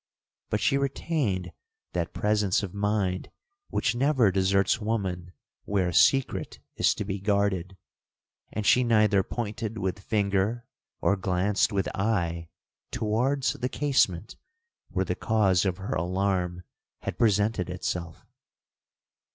But she retained that presence of mind which never deserts woman where a secret is to be guarded, and she neither pointed with finger, or glanced with eye, towards the casement, where the cause of her alarm had presented itself.